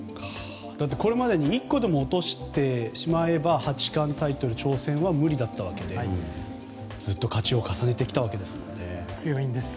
これまでに１個でも落としてしまえば八冠タイトル挑戦は無理だったわけでずっと勝ちを重ねてきたわけですもんね。